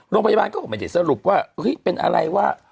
โรงพยาบาลก็ไม่ได้สรุปว่าเฮ้ยเป็นอะไรวะ